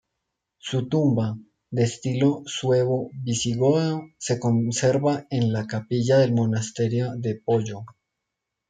Su tumba, de estilo suevo-visigodo, se conserva en la capilla del monasterio de Poyo.